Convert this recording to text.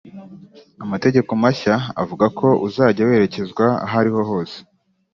amategeko mashya avuga ko uzajya werekezwa ahari ho hose